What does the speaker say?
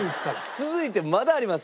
続いてまだあります。